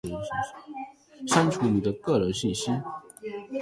删除您的个人信息；